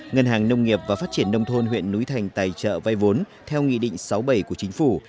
ngân hàng nông nghiệp và phát triển nông thôn huyện núi thành tài trợ vay vốn theo nghị định sáu bảy của chính phủ